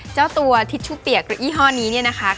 เจ้าตัวทิชชู่เปียกหรืออีห้อนี้นะคะ